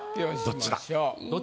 どっちだ？